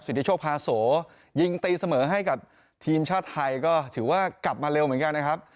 สิทธิโชคพาโสยิงตีเสมอให้กับทีมชาติไทยก็ถือว่ากลับมาเร็วเหมือนกันนะครับ